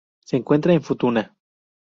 Se encuentra en Futuna.